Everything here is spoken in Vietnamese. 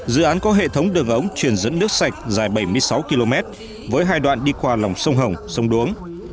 dự án có hệ thống đường ống truyền dẫn nước sạch dài bảy mươi sáu km với hai đoạn đi qua lòng sông hồng sông đuống